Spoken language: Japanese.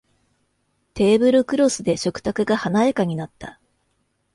テーブルクロスで食卓が華やかになった